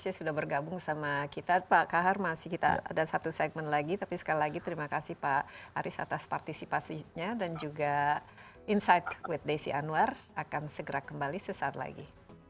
saya sudah bergabung sama kita pak kahar masih kita ada satu segmen lagi tapi sekali lagi terima kasih pak aris atas partisipasinya dan juga insight with desi anwar akan segera kembali sesaat lagi